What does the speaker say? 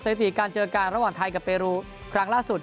ถิติการเจอกันระหว่างไทยกับเปรูครั้งล่าสุด